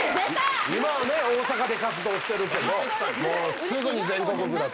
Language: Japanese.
今はね大阪で活動してるけどすぐに全国区だと。